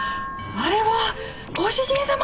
あれはご主人様！